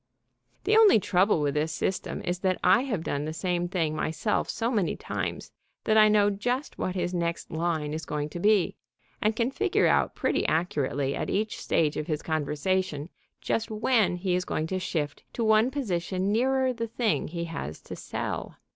The only trouble with this system is that I have done the same thing myself so many times that I know just what his next line is going to be, and can figure out pretty accurately at each stage of his conversation just when he is going to shift to one position nearer the thing he has to sell.